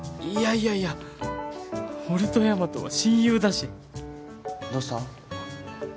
いやいや俺とヤマトは親友だしどうした？